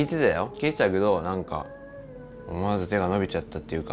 聞いてたけど何か思わず手が伸びちゃったっていうか。